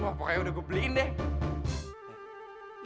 wah pokoknya udah gue beliin deh